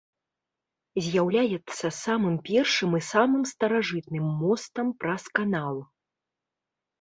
З'яўляецца самым першым і самым старажытным мостам праз канал.